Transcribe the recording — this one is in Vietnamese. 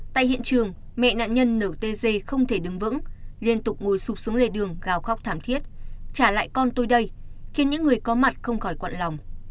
tại hiện trường mẹ nạn nhân ntg không thể đứng vững liên tục ngồi sụp xuống lề đường gào khóc thảm thiết trả lại con tôi đây khiến những người có mặt không khỏi quặn lòng